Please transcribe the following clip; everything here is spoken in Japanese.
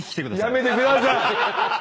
やめてください。